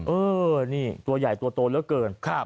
อืมนี่ตัวใหญ่ตัวโตแล้วเกิน